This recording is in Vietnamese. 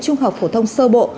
trung học phổ thông sơ bộ